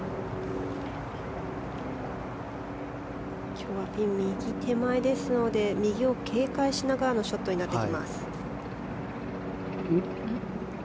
今日はピン右手前ですので右を警戒しながらのショットになってきます。